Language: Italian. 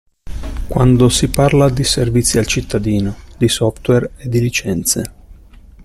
Quando si parla di servizi al cittadino, di software e di licenze.